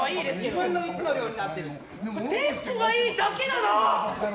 テンポがいいだけだな。